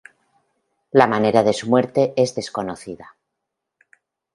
La manera de su muerte es desconocida.